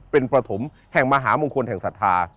เป็นประถมแห่งมหามงคลแห่งศรัทธา